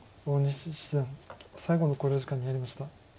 大西七段最後の考慮時間に入りました。